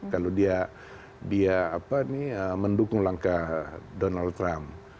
kalau dia mendukung langkah donald trump